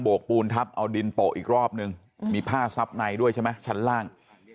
กปูนทับเอาดินโปะอีกรอบนึงมีผ้าซับในด้วยใช่ไหมชั้นล่าง